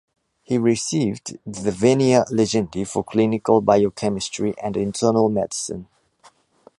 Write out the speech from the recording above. He received the "venia legendi" for clinical biochemistry and internal medicine.